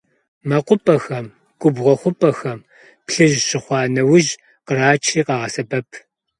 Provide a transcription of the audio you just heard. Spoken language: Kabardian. Мэкъупӏэхэм, губгъуэ хъупӏэхэм плъыжь щыхъуа нэужь кърачри къагъэсэбэп.